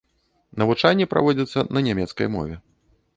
Навучанне праводзіцца на нямецкай мове.